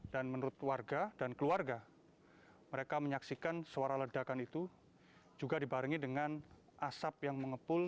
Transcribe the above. dan menurut warga dan keluarga mereka menyaksikan suara ledakan itu juga dibarengi dengan asap yang mengepul